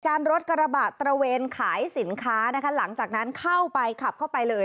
รถกระบะตระเวนขายสินค้านะคะหลังจากนั้นเข้าไปขับเข้าไปเลย